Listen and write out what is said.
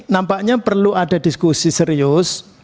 nampaknya perlu ada diskusi serius